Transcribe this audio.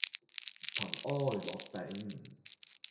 塵埃落定